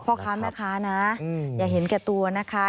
เพราะครั้งนะคะอย่าเห็นแก่ตัวนะคะ